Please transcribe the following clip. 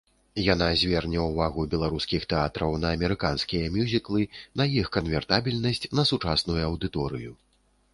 Яна зверне ўвагу беларускіх тэатраў на амерыканскія мюзіклы, на іх канвертабельнасць на сучасную аўдыторыю.